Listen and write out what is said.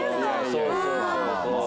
そうそうそうそう。